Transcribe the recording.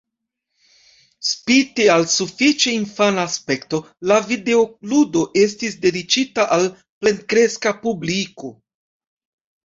Spite al sufiĉe infana aspekto, la videoludo estis dediĉita al plenkreska publiko.